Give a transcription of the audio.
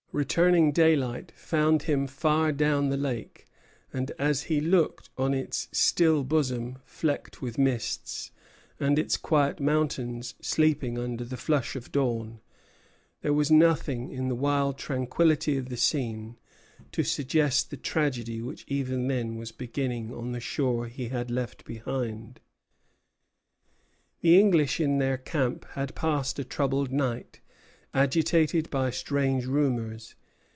Returning daylight found him far down the lake; and as he looked on its still bosom flecked with mists, and its quiet mountains sleeping under the flush of dawn, there was nothing in the wild tranquillity of the scene to suggest the tragedy which even then was beginning on the shore he had left behind. The English in their camp had passed a troubled night, agitated by strange rumors.